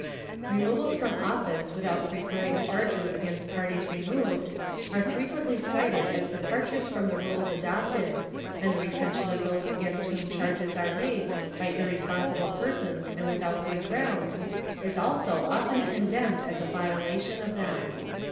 Removals from office without preferring charges against parties removed are frequently cited as departures from the rules adopted, and the retention of those against whom charges are made by irresponsible persons and without good grounds is also often condemned as a violation of them.